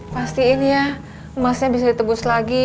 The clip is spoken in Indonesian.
pastiin ya emasnya bisa ditebus lagi